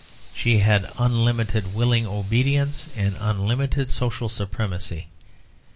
She had unlimited willing obedience, and unlimited social supremacy.